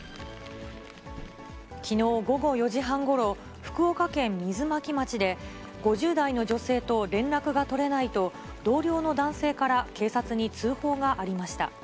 きのう午後４時半ごろ、福岡県水巻町で、５０代の女性と連絡が取れないと、同僚の男性から警察に通報がありました。